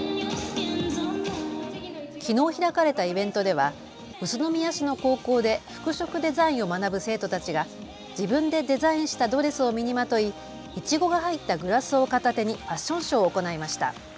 きのう開かれたイベントでは宇都宮市の高校で服飾デザインを学ぶ生徒たちが自分でデザインしたドレスを身にまといいちごが入ったグラスを片手にファッションショーを行いました。